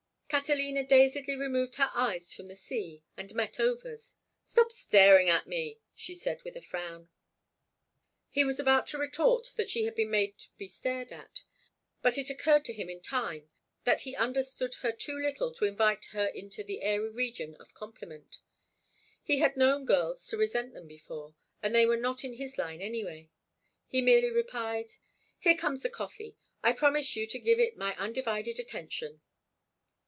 Catalina dazedly removed her eyes from the sea and met Over's. "Stop staring at me," she said, with a frown. He was about to retort that she had been made to be stared at, but it occurred to him in time that he understood her too little to invite her into the airy region of compliment. He had known girls to resent them before, and they were not in his line anyway. He merely replied: "Here comes the coffee. I promise you to give it my undivided attention."